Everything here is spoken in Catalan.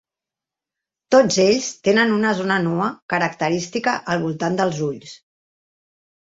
Tots ells tenen una zona nua característica al voltant dels ulls.